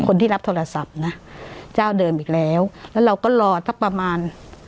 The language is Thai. คนที่รับโทรศัพท์นะเจ้าเดิมอีกแล้วแล้วเราก็รอสักประมาณ